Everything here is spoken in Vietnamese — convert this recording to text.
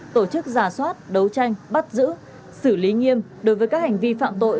tổ chức giả soát đấu tranh bắt giữ xử lý nghiêm đối với các hành vi phạm tội